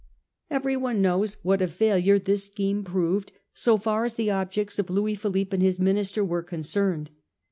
Everyone knows what a failure this scheme proved, so far as the objects of Louis Philippe and his minister were concerned.